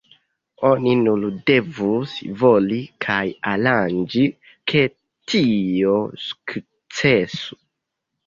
Oni nur devus voli kaj aranĝi, ke tio sukcesu.